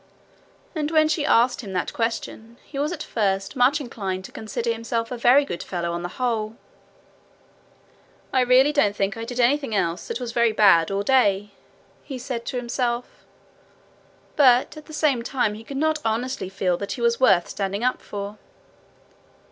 And when she asked him that question, he was at first much inclined to consider himself a very good fellow on the whole. 'I really don't think I did anything else that was very bad all day,' he said to himself. But at the same time he could not honestly feel that he was worth standing up for.